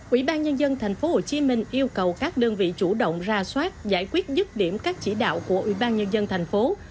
ủy ban nhân dân tp hcm yêu cầu các đơn vị chủ động ra soát giải quyết chức điểm các chỉ đạo của ủy ban nhân dân tp hcm